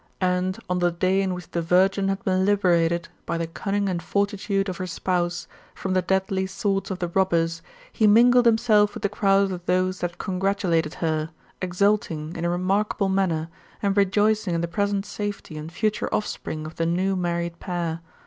And, on the day in which the virgin had been liberated, by the cunning and fortitude of her spouse, from the deadly swords of the robbers, he mingled himself with the crowd of those that congratulated her, exulting, in a remarkable manner, and rejoicing in the present safety and future offspring of the new married pair.